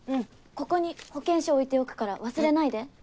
ここに保険証置いておくから忘れないで。